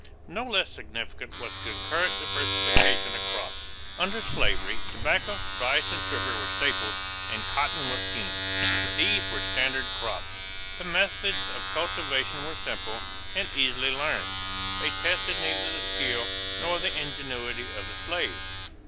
= No less significant was the concurrent diversification of crops. Under slavery, tobacco, rice, and sugar were staples and "cotton was king." These were standard crops. The methods of cultivation were simple and easily learned. They tested neither the skill nor the ingenuity of the slaves.